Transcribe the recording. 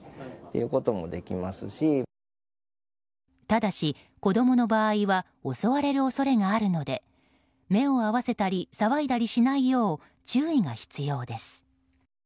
ただし、子供の場合は襲われる恐れがあるので目を合わせたり騒いだりしないよう注意が必要です。